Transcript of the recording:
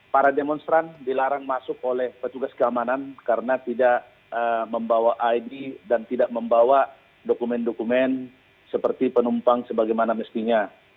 para demonstran dilarang masuk oleh petugas keamanan karena tidak membawa id dan tidak membawa dokumen dokumen seperti penumpang sebagaimana mestinya